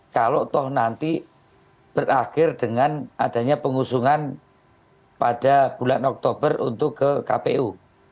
kalau toh nanti berakhir dengan adanya pengusungan pada bulan oktober untuk ke kpu